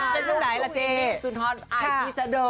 เป็นที่ไหนล่ะเจ๊อายที่สะโด